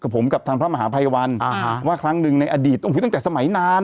ผมกับทางพระมหาภัยวันอ่าฮะว่าครั้งหนึ่งในอดีตต้องคิดตั้งแต่สมัยนาน